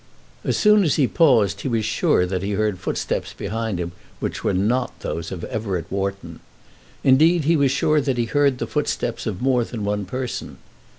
As soon as he paused he was sure that he heard footsteps behind him which were not those of Everett Wharton. Indeed, he was sure that he heard the footsteps of more than one person.